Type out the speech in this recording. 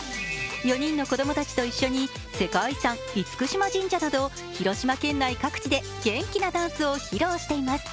４人の子供たちと一緒に世界遺産、厳島神社など広島県内各地で、元気なダンスを披露しています。